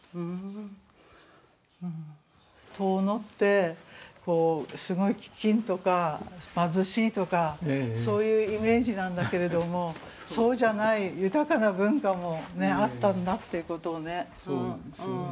遠野ってすごい飢饉とか貧しいとかそういうイメージなんだけれどもそうじゃない豊かな文化もあったんだっていうことをね。